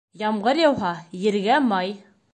Ямғыр яуһа, ергә май.